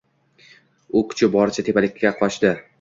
U kuchi boricha tepalikka qochdi.